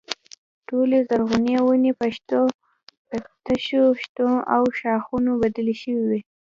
ټولې زرغونې ونې په تشو تنو او ښاخلو بدلې شوې.